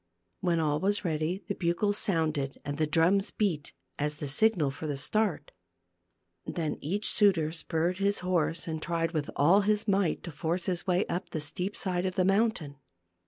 When all was ready the bugles sounded and the drums beat, as the signal for the start. Then each suitor spurred his horse and tried with all his might to force his way up the steep side of the mountain.